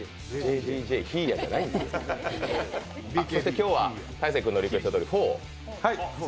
今日は大晴君のリクエストでフォーを。